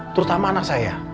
terutama anak saya